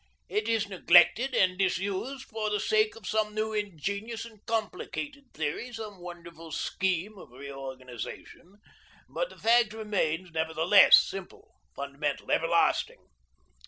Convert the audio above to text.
It is neglected and disused for the sake of some new ingenious and complicated theory, some wonderful scheme of reorganisation, but the fact remains, nevertheless, simple, fundamental, everlasting.